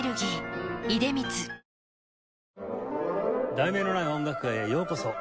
『題名のない音楽会』へようこそ。